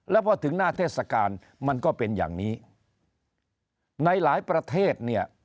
แล้วพอถึงหน้าเทศกาลมันก็เป็นอย่างนี้ในหลายประเทศเนี่ย